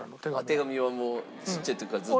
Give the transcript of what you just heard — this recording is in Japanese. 手紙はもうちっちゃい時からずっと。